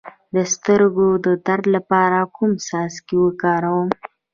د سترګو د درد لپاره کوم څاڅکي وکاروم؟